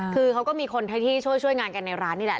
คือเขาก็มีคนไทยที่ช่วยงานกันในร้านนี่แหละ